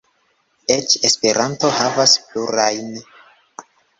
Eĉ Esperanto havas plurajn.